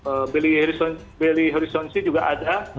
kemudian di negara bagian lainnya di bali horizonsi juga ada